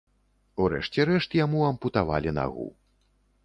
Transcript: У рэшце рэшт яму ампутавалі нагу.